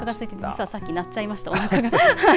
さっき鳴っちゃいましたおなかが。